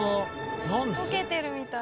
溶けてるみたい。